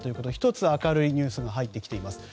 １つ明るいニュースが入ってきています。